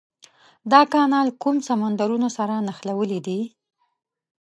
دا کانال کوم سمندرونه سره نښلولي دي؟